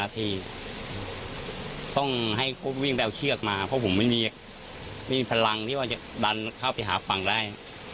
ที่ต้องให้วิ่งไปเอาเชือกมาเพราะผมไม่มีพลังที่ว่าจะดันเข้าไปหาฝั่งได้